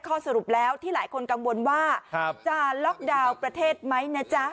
ข้อสรุปแล้วที่หลายคนกังวลว่าครับจะประเทศไหมนะจ๊ะ